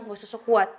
gak usah sok kuat